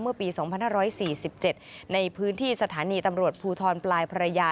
เมื่อปี๒๕๔๗ในพื้นที่สถานีตำรวจภูทรปลายพระยา